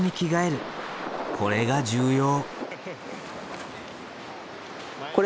これが重要。